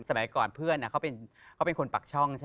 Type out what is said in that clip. สมัยก่อนเพื่อนเขาเป็นคนปากช่องใช่ไหม